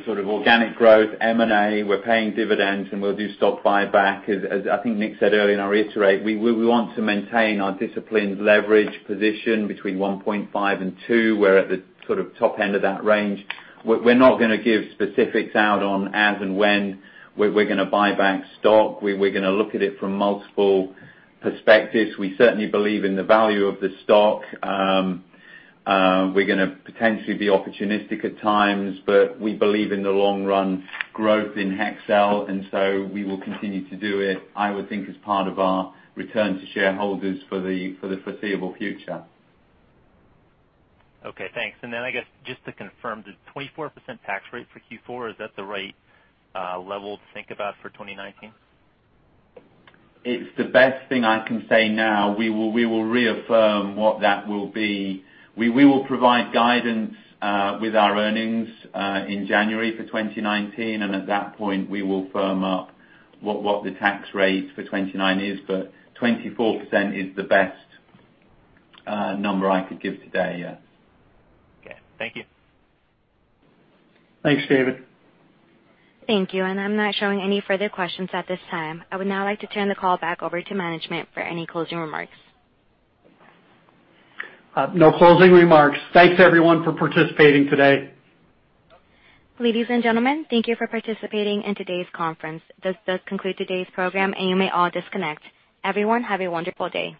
Sort of organic growth, M&A, we're paying dividends, we'll do stock buyback. As I think Nick said earlier in our iterate, we want to maintain our disciplined leverage position between 1.5 and 2. We're at the sort of top end of that range. We're not going to give specifics out on as and when we're going to buy back stock. We're going to look at it from multiple perspectives. We certainly believe in the value of the stock. We're going to potentially be opportunistic at times, we believe in the long run growth in Hexcel, we will continue to do it, I would think as part of our return to shareholders for the foreseeable future. Okay, thanks. I guess to confirm, the 24% tax rate for Q4, is that the right level to think about for 2019? It's the best thing I can say now. We will reaffirm what that will be. We will provide guidance with our earnings in January for 2019, at that point, we will firm up what the tax rate for 2029 is. 24% is the best number I could give today, yeah. Okay. Thank you. Thanks, David. Thank you. I'm not showing any further questions at this time. I would now like to turn the call back over to management for any closing remarks. No closing remarks. Thanks, everyone, for participating today. Ladies and gentlemen, thank you for participating in today's conference. This does conclude today's program, and you may all disconnect. Everyone, have a wonderful day.